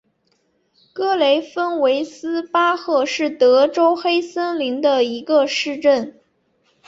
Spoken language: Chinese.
格雷芬维斯巴赫是德国黑森州的一个市镇。